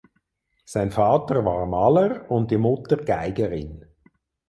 Sein Vater war Maler und die Mutter Geigerin.